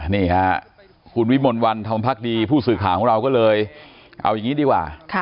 นี่ค่ะคุณวิมลวันธรรมพักดีผู้สื่อข่าวของเราก็เลยเอาอย่างนี้ดีกว่า